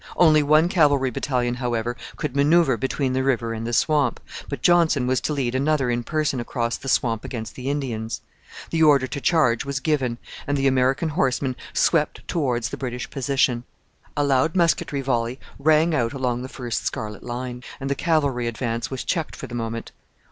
Only one cavalry battalion, however, could manoeuvre between the river and the swamp; but Johnson was to lead another in person across the swamp against the Indians. The order to charge was given, and the American horsemen swept towards the British position. A loud musketry volley rang out along the first scarlet line, and the cavalry advance was checked for the moment.